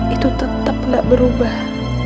itu tetep gak berubah